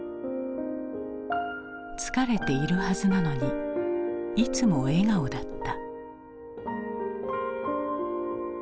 疲れているはずなのにいつも笑顔だった。